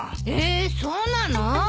えそうなの？